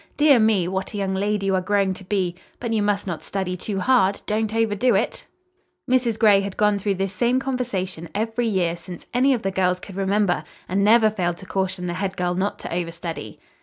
Dear me, what a young lady you are growing to be! But you must not study too hard. Don't overdo it." Mrs. Gray had gone through this same conversation every year since any of the girls could remember, and never failed to caution the head girl not to overstudy.